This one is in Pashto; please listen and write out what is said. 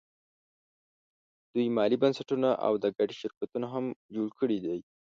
دوی مالي بنسټونه او د ګټې شرکتونه هم جوړ کړي دي